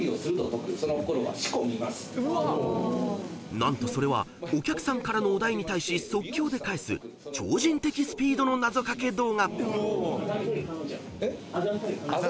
［何とそれはお客さんからのお題に対し即興で返す超人的スピードのなぞかけ動画］